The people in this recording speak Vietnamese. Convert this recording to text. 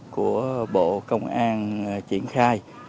của bộ công an triển khai